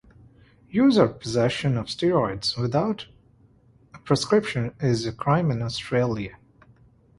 Use or possession of steroids without a prescription is a crime in Australia.